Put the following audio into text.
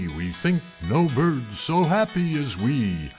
We think no Birds so happy as we!